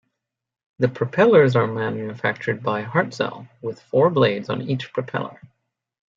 The propellers are manufactured by Hartzell, with four blades on each propeller.